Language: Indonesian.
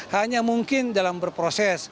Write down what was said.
hanya mungkin dalam berproses